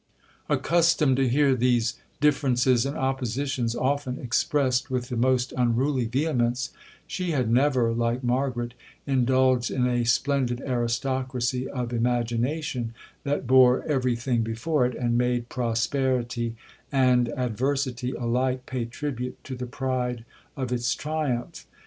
Accustomed to hear these differences and oppositions often expressed with the most unruly vehemence, she had never, like Margaret, indulged in a splendid aristocracy of imagination, that bore every thing before it, and made prosperity and adversity alike pay tribute to the pride of its triumph.